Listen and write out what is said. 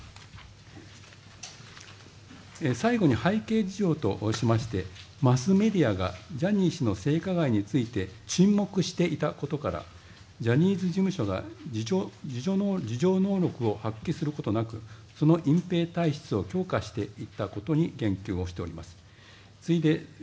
最後に背景事情としまして、マスメディアがジャニー氏の性加害について沈黙していたことからジャニーズ事務所が自浄能力を発揮することなくその隠蔽体質を強化していたことに言及しております。